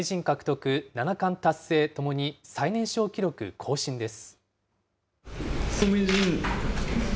名人獲得七冠達成ともに、最年少記録更新です。